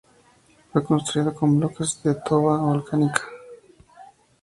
Fue construido con bloques de toba volcánica.